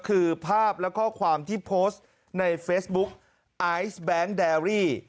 คือภาพและข้อความที่โพสต์ในเฟซบุ๊กไอซ์แบงค์แดรี่